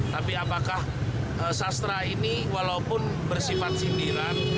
tapi apakah sastra ini walaupun bersifat sindiran